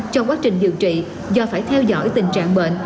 trong quá trình điều trị do phải theo dõi tình trạng bệnh